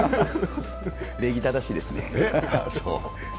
礼儀正しいですね。